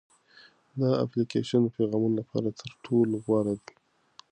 دا اپلیکیشن د پیغامونو لپاره تر ټولو غوره دی.